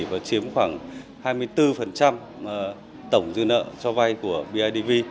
và chiếm khoảng hai mươi bốn tổng dư nợ cho vay của bidv